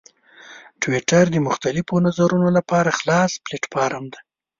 ټویټر د مختلفو نظرونو لپاره خلاص پلیټفارم دی.